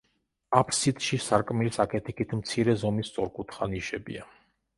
აფსიდში სარკმლის აქეთ-იქით მცირე ზომის სწორკუთხა ნიშებია.